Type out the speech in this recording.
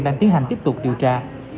đang tiến hành tiếp tục điều tra